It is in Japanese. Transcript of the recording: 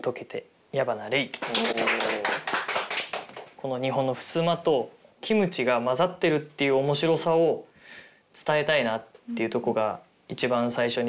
この日本のふすまとキムチが混ざってるっていう面白さを伝えたいなっていうとこが一番最初に出てきて。